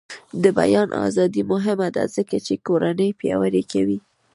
د بیان ازادي مهمه ده ځکه چې کورنۍ پیاوړې کوي.